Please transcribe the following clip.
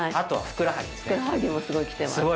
ふくらはぎもすごいきてます。